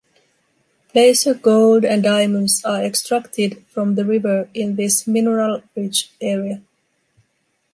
Placer gold and diamonds are extracted from the river in this mineral-rich area.